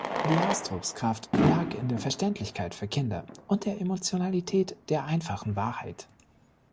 Die Ausdruckskraft lag in der Verständlichkeit für Kinder und der Emotionalität der einfachen Wahrheit.